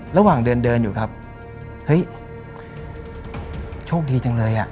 ระหว่างเดินเดินอยู่ครับเฮ้ยโชคดีจังเลยอ่ะ